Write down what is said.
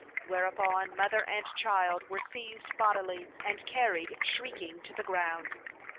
Whereupon mother and child were seized bodily, and car ried shrieking to the ground.